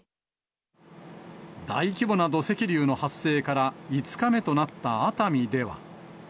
大規模な土石流の発生から５日目となった熱海では。